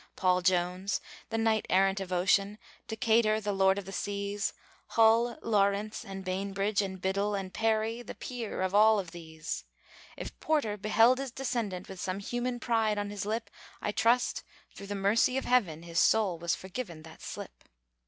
Paul Jones, the knight errant of ocean, Decatur, the lord of the seas, Hull, Lawrence, and Bainbridge, and Biddle, And Perry, the peer of all these! If Porter beheld his descendant, With some human pride on his lip, I trust, through the mercy of Heaven, His soul was forgiven that slip.